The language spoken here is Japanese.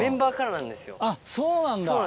あっそうなんだ。